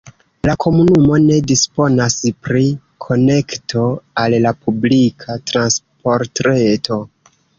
La komunumo ne disponas pri konekto al la publika transportreto.